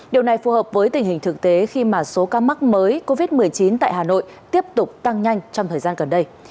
điều này phù hợp với tình hình thực tế khi mà số ca mắc mới covid một mươi chín tại hà nội tiếp tục tăng nhanh trong thời gian gần đây